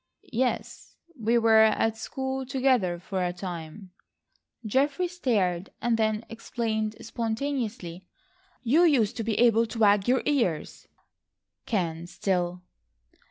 "Yes, we were at school together for a time." Geoffrey stared, and then exclaimed spontaneously: "You used to be able to wag your ears." "Can still."